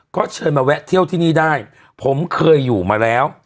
ก็เชิญมาแวะเที่ยวที่นี่ได้ผมเคยอยู่มาแล้ว